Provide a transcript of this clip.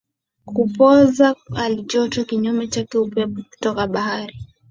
kupoza halijoto Kinyume chake upepo kutoka Bahari